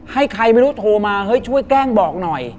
ให้ใครไม่รู้โทรมาเฮ้ยช่วยแกล้งบอกหน่อย